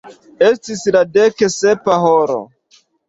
Estis la dek sepa horo.